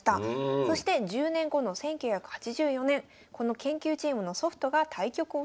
そして１０年後の１９８４年この研究チームのソフトが対局をします。